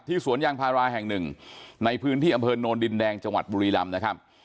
สวนยางพาราแห่งหนึ่งในพื้นที่อำเภอโนนดินแดงจังหวัดบุรีรำนะครับ